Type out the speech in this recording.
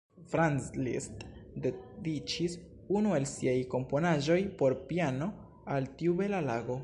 Franz Liszt dediĉis unu el siaj komponaĵoj por piano al tiu bela lago.